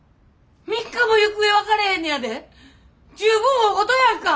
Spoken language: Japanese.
３日も行方分かれへんねやで十分大ごとやんか！